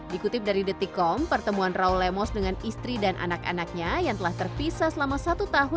dikutip dari detikkom pertemuan raul lemos dengan istri dan anak anaknya yang telah terpisah selama satu tahun akibat pandemi